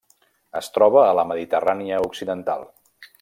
Es troba a la Mediterrània occidental.